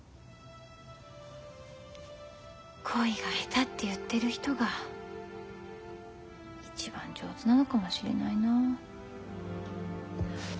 恋が下手って言ってる人が一番上手なのかもしれないな。